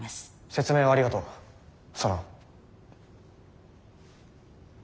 説明をありがとうソロン。